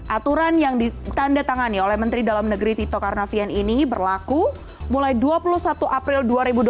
aturan yang ditanda tangani oleh menteri dalam negeri tito karnavian ini berlaku mulai dua puluh satu april dua ribu dua puluh